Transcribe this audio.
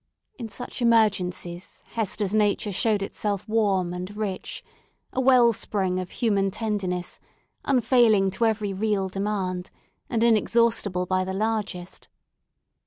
In such emergencies Hester's nature showed itself warm and rich—a well spring of human tenderness, unfailing to every real demand, and inexhaustible by the largest.